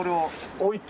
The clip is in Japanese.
置いて。